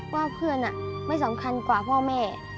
ว่าเพื่อนไม่สำคัญกว่าพ่อแม่